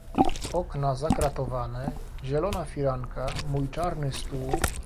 "Okna zakratowane, zielona firanka, mój czarny stół..."